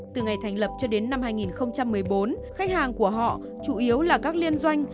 từ ngày thành lập cho đến năm hai nghìn một mươi bốn khách hàng của họ chủ yếu là các liên doanh